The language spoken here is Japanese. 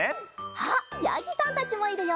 あっやぎさんたちもいるよ！